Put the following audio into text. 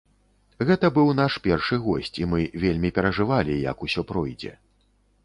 Гэта быў наш першы госць, і мы вельмі перажывалі, як усё пройдзе.